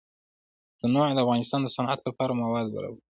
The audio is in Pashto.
تنوع د افغانستان د صنعت لپاره مواد برابروي.